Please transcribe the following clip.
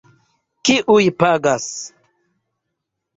Kiuj pagas?